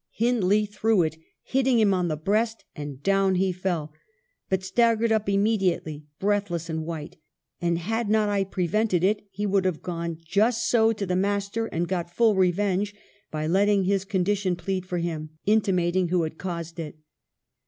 Hindley threw it, hitting him on the breast, and down he fell, but staggered up immediately, breathless and white ; and had not I prevented it, he would have gone just so to the master and got full revenge by letting his condition plead for him, intimating who had caused it.